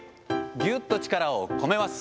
ぎゅっと力を込めます。